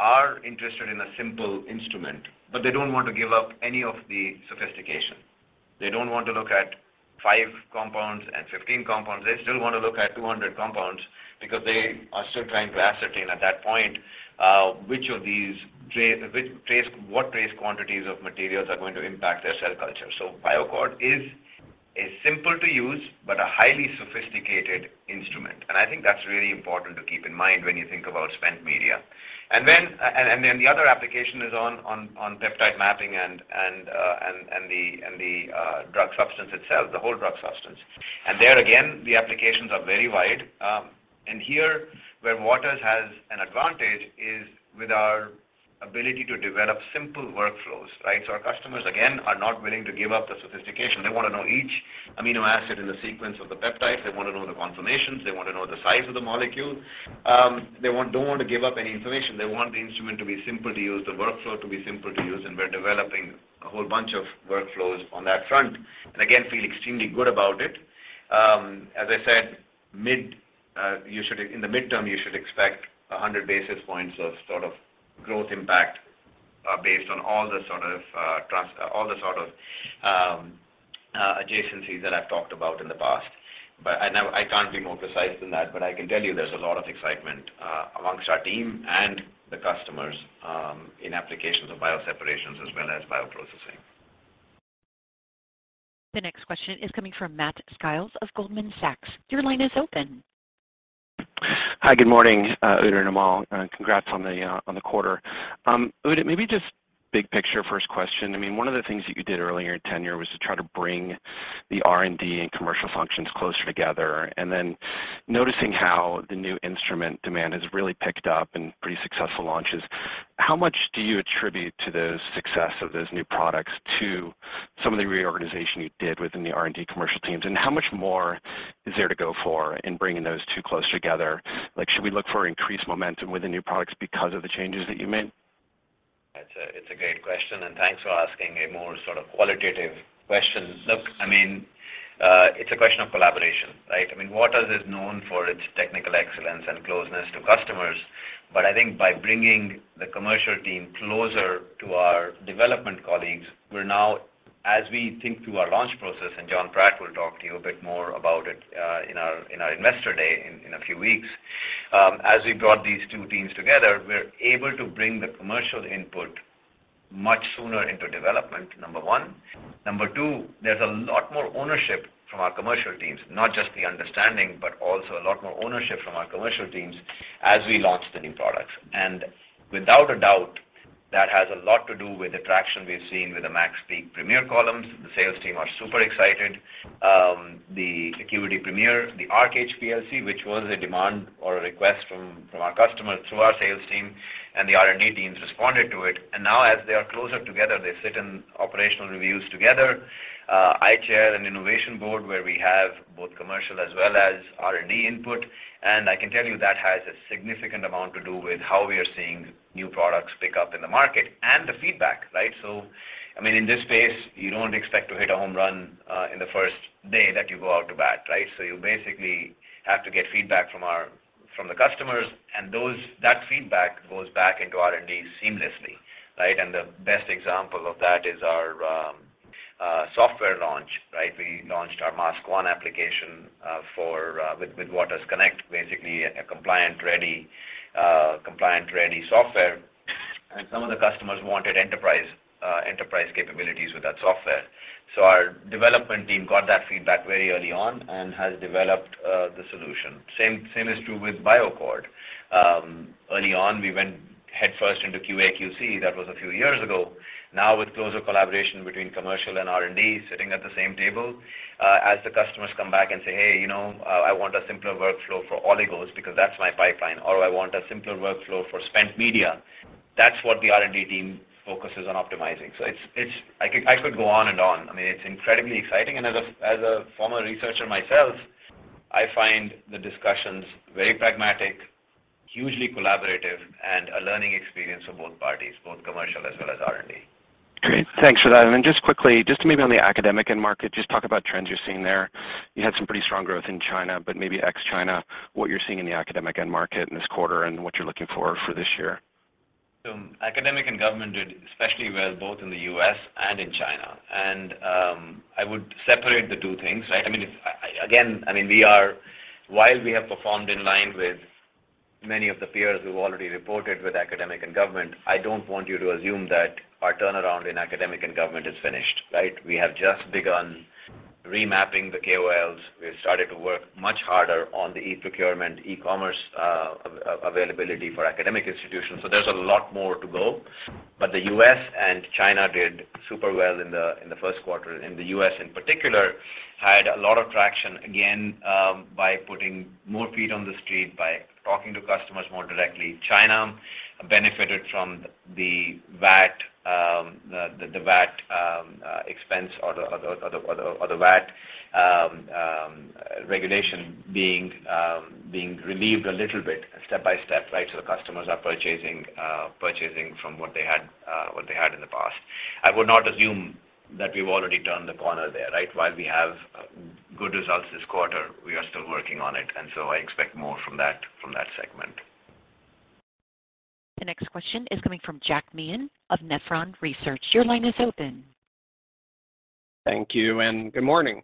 are interested in a simple instrument, but they don't want to give up any of the sophistication. They don't want to look at five compounds and 15 compounds. They still wanna look at 200 compounds because they are still trying to ascertain at that point, which of these trace quantities of materials are going to impact their cell culture. BioAccord is a simple to use but a highly sophisticated instrument. I think that's really important to keep in mind when you think about spent media. The other application is on peptide mapping and the drug substance itself, the whole drug substance. There again, the applications are very wide. Here, where Waters has an advantage is with our ability to develop simple workflows, right? Our customers, again, are not willing to give up the sophistication. They wanna know each amino acid in the sequence of the peptide. They wanna know the conformations. They want to know the size of the molecule. They don't want to give up any information. They want the instrument to be simple to use, the workflow to be simple to use, and we're developing a whole bunch of workflows on that front, and again, feel extremely good about it. As I said, in the mid-term, you should expect 100 basis points of sort of growth impact, based on all the sort of adjacencies that I've talked about in the past. I can't be more precise than that. I can tell you there's a lot of excitement amongst our team and the customers in applications of bio separations as well as bioprocessing. The next question is coming from Matthew Sykes of Goldman Sachs. Your line is open. Hi, good morning, Udit and Amol, and congrats on the on the quarter. Udit, maybe just big picture first question. I mean, one of the things that you did early in your tenure was to try to bring the R&D and commercial functions closer together, and then noticing how the new instrument demand has really picked up in pretty successful launches. How much do you attribute to the success of those new products to some of the reorganization you did within the R&D commercial teams? And how much more is there to go for in bringing those two closer together? Like, should we look for increased momentum with the new products because of the changes that you made? That's a great question, and thanks for asking a more sort of qualitative question. Look, I mean, it's a question of collaboration, right? I mean, Waters is known for its technical excellence and closeness to customers, but I think by bringing the commercial team closer to our development colleagues, we're now, as we think through our launch process, and Jonathan Pratt will talk to you a bit more about it, in our investor day in a few weeks. As we brought these two teams together, we're able to bring the commercial input much sooner into development, number one. Number two, there's a lot more ownership from our commercial teams, not just the understanding, but also a lot more ownership from our commercial teams as we launch the new products. Without a doubt, that has a lot to do with the traction we've seen with the MaxPeak Premier columns. The sales team are super excited. The ACQUITY Premier, the Arc HPLC, which was a demand or a request from our customers through our sales team, and the R&D teams responded to it. Now as they are closer together, they sit in operational reviews together. I chair an innovation board where we have both commercial as well as R&D input. I can tell you that has a significant amount to do with how we are seeing new products pick up in the market and the feedback, right? I mean, in this space, you don't expect to hit a home run in the first day that you go out to bat, right? You basically have to get feedback from the customers, and that feedback goes back into R&D seamlessly, right? The best example of that is our software launch, right? We launched our MassOne application with waters_connect, basically a compliant-ready software. Some of the customers wanted enterprise capabilities with that software. Our development team got that feedback very early on and has developed the solution. Same is true with BioAccord. Early on, we went headfirst into QA/QC. That was a few years ago. Now, with closer collaboration between commercial and R&D sitting at the same table, as the customers come back and say, Hey, you know, I want a simpler workflow for oligos because that's my pipeline, or, I want a simpler workflow for spent media, that's what the R&D team focuses on optimizing. It's I could go on and on. I mean, it's incredibly exciting. As a former researcher myself, I find the discussions very pragmatic, hugely collaborative, and a learning experience for both parties, both commercial as well as R&D. Great. Thanks for that. Then just quickly, just maybe on the academic end market, just talk about trends you're seeing there. You had some pretty strong growth in China, but maybe ex China, what you're seeing in the academic end market in this quarter and what you're looking for for this year. Academic and government did especially well both in the U.S. and in China. I would separate the two things, right? I mean, again, I mean, while we have performed in line with many of the peers who've already reported with academic and government, I don't want you to assume that our turnaround in academic and government is finished, right? We have just begun remapping the KOLs. We have started to work much harder on the e-procurement, e-commerce, availability for academic institutions, so there's a lot more to go. The U.S. and China did super well in the first quarter, and the U.S. in particular had a lot of traction, again, by putting more feet on the street, by talking to customers more directly. China benefited from the VAT expense or the VAT regulation being relieved a little bit step by step, right? The customers are purchasing from what they had in the past. I would not assume that we've already turned the corner there, right? While we have good results this quarter, we are still working on it, and so I expect more from that segment. The next question is coming from Jack Meehan of Nephron Research. Your line is open. Thank you, and good morning.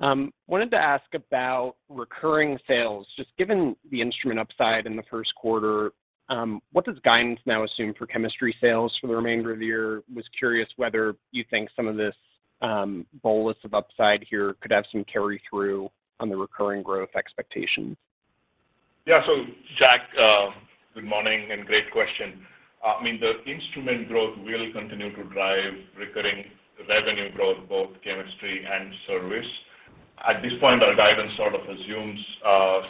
Wanted to ask about recurring sales. Just given the instrument upside in the first quarter, what does guidance now assume for chemistry sales for the remainder of the year? Was curious whether you think some of this, bolus of upside here could have some carry-through on the recurring growth expectations. Yeah. Jack, good morning and great question. I mean, the instrument growth will continue to drive recurring revenue growth, both chemistry and service. At this point, our guidance sort of assumes,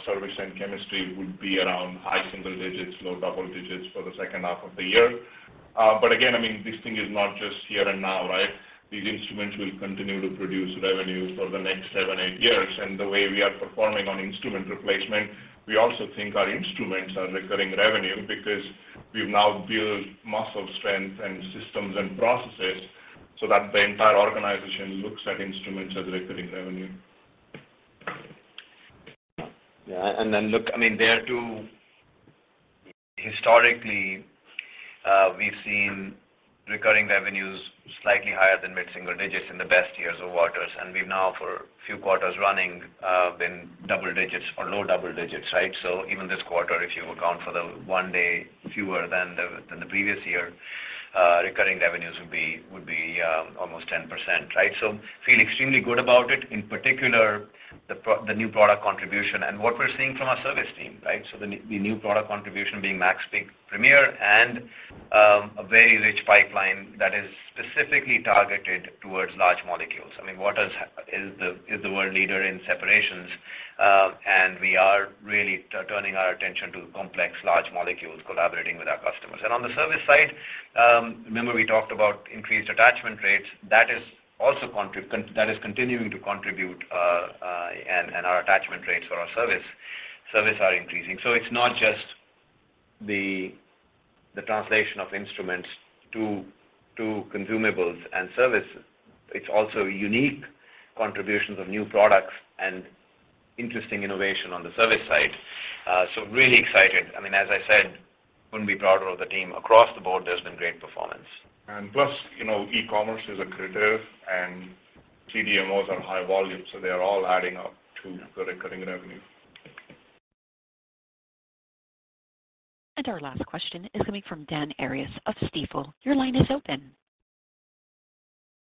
service and chemistry would be around high single digits, low double digits for the second half of the year. Again, I mean, this thing is not just here and now, right? These instruments will continue to produce revenue for the next seven years-eight years. The way we are performing on instrument replacement, we also think our instruments are recurring revenue because we've now built muscle strength and systems and processes so that the entire organization looks at instruments as recurring revenue. Yeah. Then look, I mean, there too, historically, we've seen recurring revenues slightly higher than mid-single digits in the best years of Waters. We've now, for a few quarters running, been double digits or low double digits, right? Even this quarter, if you account for the one day fewer than the previous year, recurring revenues would be almost 10%, right? We feel extremely good about it, in particular the new product contribution and what we're seeing from our service team, right? The new product contribution being MaxPeak Premier and a very rich pipeline that is specifically targeted towards large molecules. I mean, Waters is the world leader in separations, and we are really turning our attention to complex large molecules collaborating with our customers. On the service side, remember we talked about increased attachment rates. That is also continuing to contribute, and our attachment rates for our service are increasing. It's not just the translation of instruments to consumables and services, it's also unique contributions of new products and interesting innovation on the service side. Really excited. I mean, as I said, couldn't be prouder of the team. Across the board, there's been great performance. you know, e-commerce is accretive, and CDMOs are high volume, so they are all adding up to the recurring revenue. Our last question is coming from Daniel Arias of Stifel. Your line is open.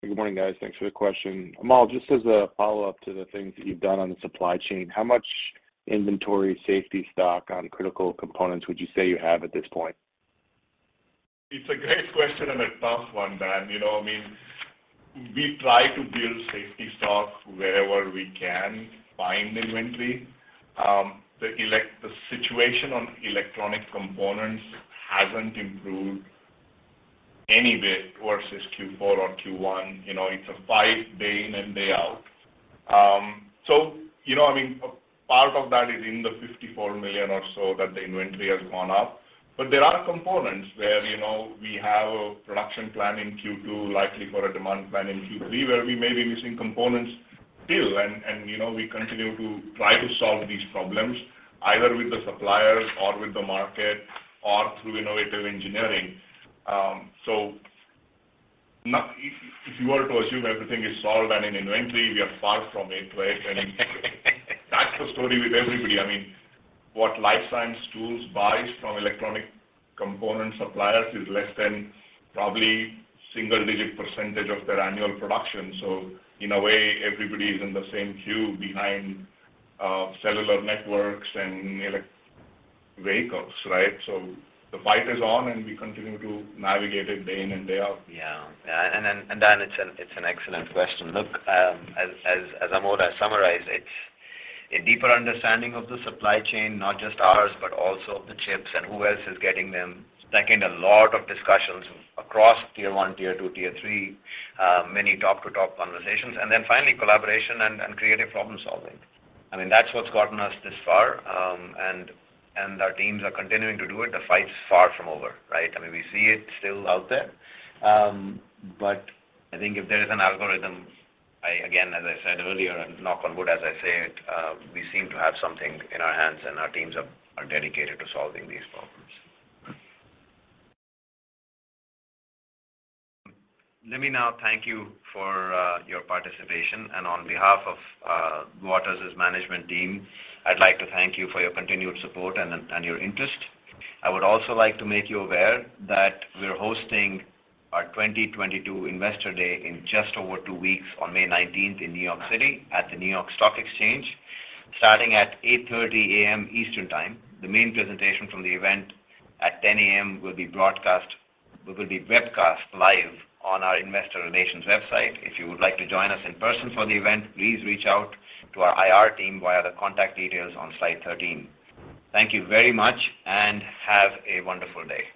Good morning, guys. Thanks for the question. Amol, just as a follow-up to the things that you've done on the supply chain, how much inventory safety stock on critical components would you say you have at this point? It's a great question, and a tough one, Dan. You know, I mean, we try to build safety stock wherever we can find inventory. The situation on electronic components hasn't improved any bit versus Q4 or Q1. You know, it's a fight day in and day out. So, you know, I mean, part of that is in the $54 million or so that the inventory has gone up. But there are components where, you know, we have a production plan in Q2, likely for a demand plan in Q3, where we may be missing components still. And, you know, we continue to try to solve these problems either with the suppliers or with the market or through innovative engineering. So, not if you were to assume everything is solved and in inventory, we are far from it, right? That's the story with everybody. I mean, what life sciences tools buys from electronic component suppliers is less than probably single-digit percentage of their annual production. In a way, everybody's in the same queue behind cellular networks and electric vehicles, right? The fight is on, and we continue to navigate it day in and day out. Yeah. Dan, it's an excellent question. Look, as Amol has summarized it, a deeper understanding of the supply chain, not just ours, but also the chips and who else is getting them. Second, a lot of discussions across tier 1, tier 2, tier 3, many talk-to-talk conversations. Finally, collaboration and creative problem-solving. I mean, that's what's gotten us this far, and our teams are continuing to do it. The fight's far from over, right? I mean, we see it still out there. I think if there is an algorithm, again, as I said earlier, and knock on wood as I say it, we seem to have something in our hands, and our teams are dedicated to solving these problems. Let me now thank you for your participation. On behalf of Waters' management team, I'd like to thank you for your continued support and your interest. I would also like to make you aware that we're hosting our 2022 Investor Day in just over two weeks on May 19 in New York City at the New York Stock Exchange, starting at 8:30 A.M. Eastern Time. The main presentation from the event at 10:00 A.M. will be webcast live on our investor relations website. If you would like to join us in person for the event, please reach out to our IR team via the contact details on slide 13. Thank you very much, and have a wonderful day.